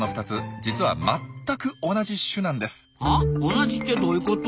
同じってどういうこと？